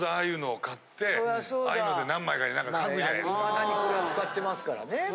いまだにこれは使ってますからね。